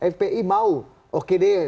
spi mau oke deh